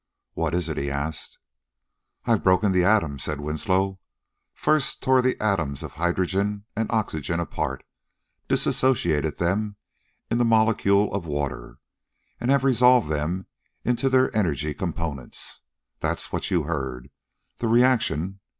"What is it?" he asked. "I've broken the atom," said Winslow. "First tore the atoms of hydrogen and oxygen apart dissociated them in the molecule of water and have resolved them into their energy components. That's what you heard the reaction.